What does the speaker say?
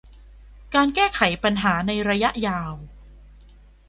การแก้ไขปัญหาในระยะยาว